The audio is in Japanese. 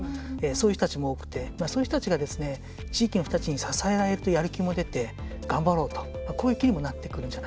そういう人たちも多くてそういう人たちが地域の人たちに支えられるとやる気が出て頑張ろうと。